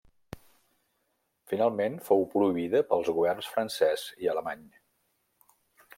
Finalment fou prohibida pels governs francès i alemany.